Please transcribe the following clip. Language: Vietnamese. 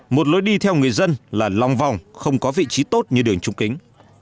một lối đi theo người dân là long vòng không có vị trí tốt như đường trung kính